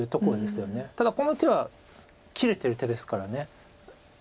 ただこの手は切れてる手ですから。